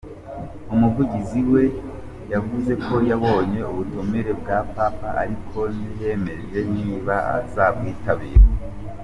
Umuvugizi we yavuze ko yabonye ubutumire bwa Papa, ariko ntiyemeje niba zabwitabira.